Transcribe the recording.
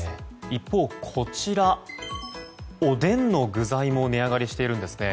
一方、こちらおでんの具材も値上がりしているんですね。